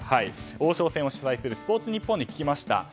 王将戦を主催するスポーツニッポンに聞きました。